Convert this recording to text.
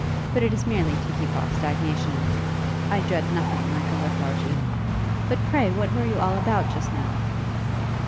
But it is merely to keep off stagnation: I dread nothing like a lethargy. But pray what were you all about just now?'